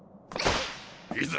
いざ